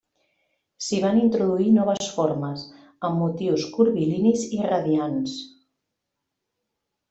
S'hi van introduir noves formes, amb motius curvilinis i radiants.